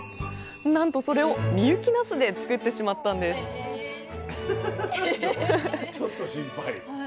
なんとそれを深雪なすで作ってしまったんですちょっと心配。